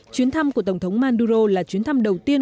chuyến thăm của tổng thống manduro là chuyến thăm đầu tiên